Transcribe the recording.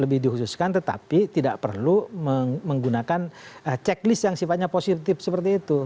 lebih dihususkan tetapi tidak perlu menggunakan checklist yang sifatnya positif seperti itu